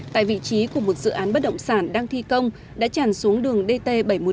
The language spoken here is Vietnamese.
tại vị trí của một dự án bất động sản đang thi công đã tràn xuống đường dt bảy trăm một mươi chín